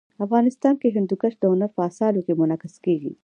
افغانستان کي هندوکش د هنر په اثارو کي منعکس کېږي.